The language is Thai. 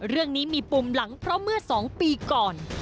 เรื่องนี้มีปุ่มหลังเพราะเมื่อ๒ปีก่อน